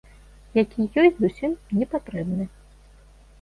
Які ёй зусім не патрэбны.